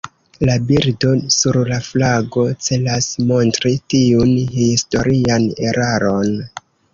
La birdo sur la flago celas montri tiun historian eraron.